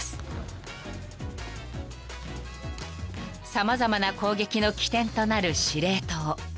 ［様々な攻撃の起点となる司令塔］